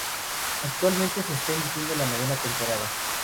Actualmente se está emitiendo la novena temporada.